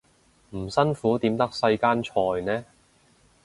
唔辛苦點得世間財呢